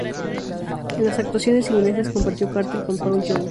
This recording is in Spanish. En las actuaciones inglesas compartió cartel con Paul Young.